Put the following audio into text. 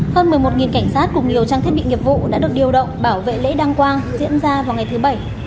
hơn một mươi một cảnh sát cùng nhiều trang thiết bị nghiệp vụ đã được điều động bảo vệ lễ đăng quang diễn ra vào ngày thứ bảy